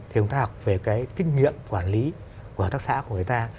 thì chúng ta học về cái kinh nghiệm quản lý của hợp tác xã của người ta